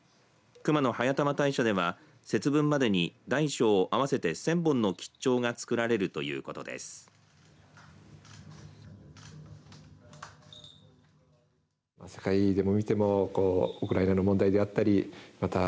熊野速玉大社では節分までに大小合わせて１０００本の吉兆が作られるということです。